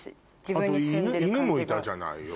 あと犬もいたじゃないよ。